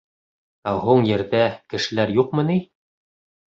Ә һуң Ерҙә кешеләр юҡмы ни?